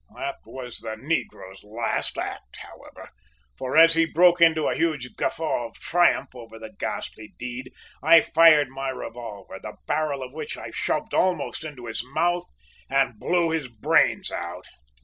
"That was the negro's last act, however; for, as he broke into a huge guffaw of triumph over the ghastly deed, I fired my revolver, the barrel of which I shoved almost into his mouth and blew his brains out!"